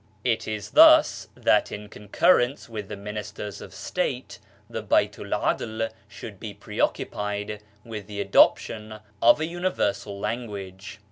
It is thus that in con currence with the ministers of State the Baitu'l 'Adl should be preoccupied with the adoption of a universal language.